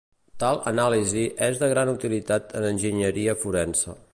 Tal anàlisi és de gran utilitat en enginyeria forense.